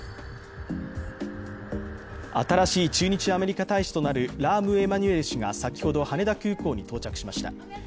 新しい駐日アメリカ大使となるラーム・エマニュエル氏が先ほど羽田空港に到着しました。